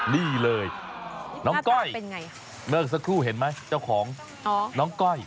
นี่เลยน้องก้อยเมื่อสักครู่เห็นไหมเจ้าของน้องก้อย